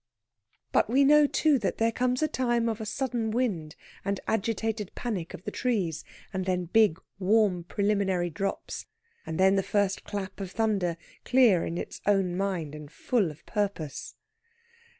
But we know, too, that there comes a time of a sudden wind and agitated panic of the trees, and then big, warm preliminary drops, and then the first clap of thunder, clear in its own mind and full of purpose.